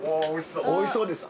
おいしそうです！